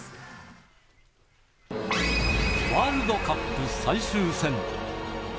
ワールドカップ最終戦。